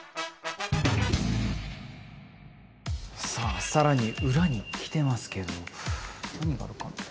さあ更に裏に来てますけど何があるかな？